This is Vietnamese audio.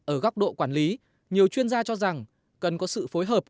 ở góc độ quản lý nhiều chuyên gia cho rằng cần có sự phối hợp